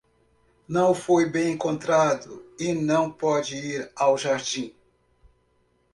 Não foi bem encontrado e não pôde ir ao jardim.